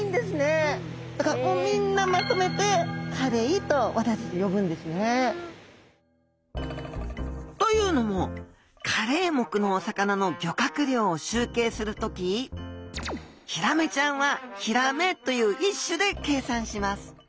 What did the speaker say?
みんなまとめて「カレイ」と私たち呼ぶんですね。というのもカレイ目のお魚の漁獲量を集計する時ヒラメちゃんは「ヒラメ」という１種で計算します。